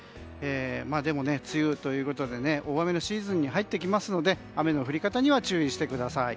でも梅雨ということで大雨のシーズンに入ってきますので雨の降り方には注意してください。